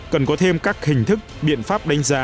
cần có thêm các hình thức biện pháp đánh giá